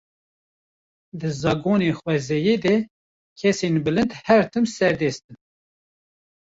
Di zagonê xwezayê de kesên bilind her tim serdest in.